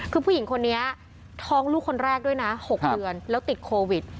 คือผู้หญิงคนนี้ท้องลูกคนแรกด้วยนะ๖เดือนแล้วติดโควิด